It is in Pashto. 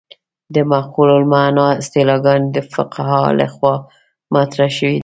د معقولة المعنی اصطلاحګانې د فقهاوو له خوا مطرح شوې دي.